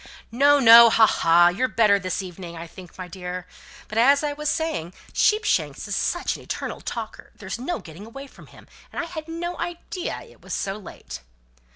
"No, no! ha, ha! You're better this evening, I think, my dear. But, as I was saying, Sheepshanks is such an eternal talker, there's no getting away from him, and I had no idea it was so late!"